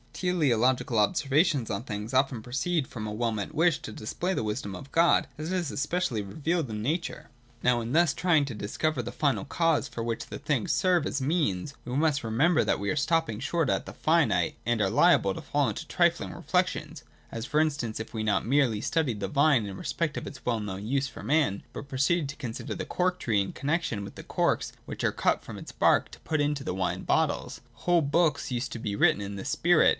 Teleological observations on things often proceed from a well meant wish to display the wisdom of God as it is especially revealed in nature. Now in thus trying to dis cover final causes for which the things serve as means, we must remember that we are stopping short at the finite, and are liable to fall into trifling reflections : as, for instance, if we not merely studied the vine in respect of its well known use for man, but proceeded to consider the cork tree in con nexion with the corks which are cut from its bark to put into the wine bottles. Whole books used to be written in this spirit.